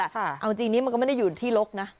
เอาจริงนี้มันก็ไม่ได้อยู่ที่ลกนะ